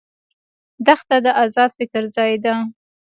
دښته د آزاد فکر ځای ده.